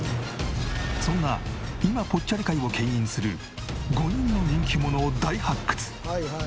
そんな今ぽっちゃり界を牽引する５人の人気者を大発掘！